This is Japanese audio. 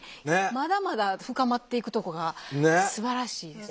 まだまだ深まっていくとこがすばらしいですね。